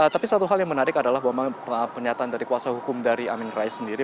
tapi satu hal yang menarik adalah bahwa pernyataan dari kuasa hukum dari amin rais sendiri